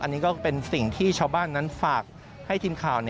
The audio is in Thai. อันนี้ก็เป็นสิ่งที่ชาวบ้านนั้นฝากให้ทีมข่าว